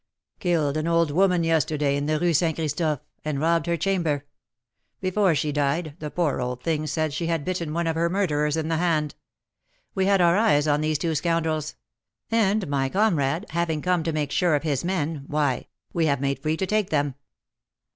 "Killed an old woman yesterday in the Rue St. Christophe, and robbed her chamber. Before she died, the poor old thing said that she had bitten one of her murderers in the hand. We had our eyes on these two scoundrels; and my comrade, having come to make sure of his men, why, we have made free to take them."